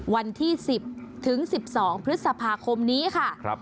วันที่๑๐ถึง๑๒พฤษภาคมนี้ค่ะ